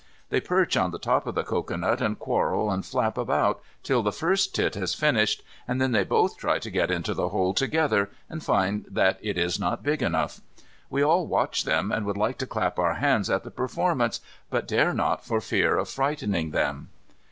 They perch on the top of the cocoanut and quarrel and flap about till the first tit has finished, and then they both try to get into the hole together and find that it is not big enough. We all watch them and would like to clap our hands at the performance but dare not for fear of frightening them.